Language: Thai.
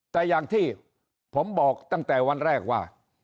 แต่อย่างที่ผมบอกตั้งแต่วันแรกว่า